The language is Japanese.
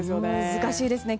難しいですね。